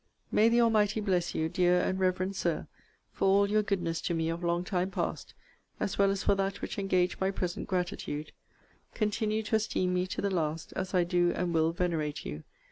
May the Almighty bless you, dear and reverend Sir, for all your goodness to me of long time past, as well as for that which engaged my present gratitude! Continue to esteem me to the last, as I do and will venerate you!